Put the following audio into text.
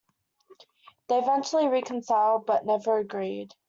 They eventually reconciled, but never agreed.